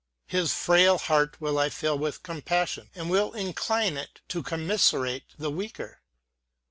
His frail heart will I fill with compassion, and will incline it to commisserate the weaker.